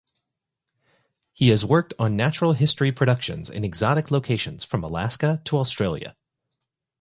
He has worked on natural history productions in exotic locations from Alaska to Australia.